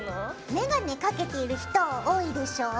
メガネかけている人多いでしょ？